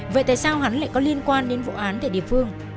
vậy tại sao hắn lại có liên quan đến vụ án tại địa phương